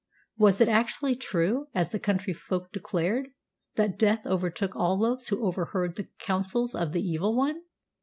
Was it actually true, as the countryfolk declared, that death overtook all those who overheard the counsels of the Evil One?